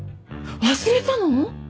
忘れたの？